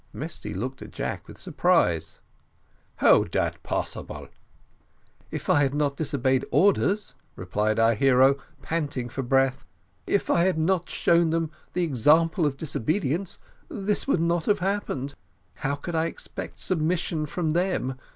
Mesty looked at Jack with surprise. "How dat possible?" "If I had not disobeyed orders," replied our hero, panting for breath, "if I had not shown them the example of disobedience, this would not have happened. How could I expect submission from them?